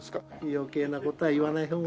余計な事は言わない方が。